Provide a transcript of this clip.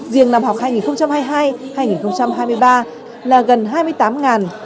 riêng năm học hai nghìn hai mươi hai hai nghìn hai mươi ba là gần hai mươi tám